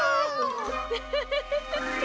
ウフフフフ。